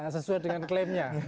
sesuai dengan klaimnya